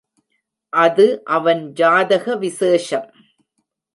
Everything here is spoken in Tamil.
அது அவன் ஜாதக விசேஷம்.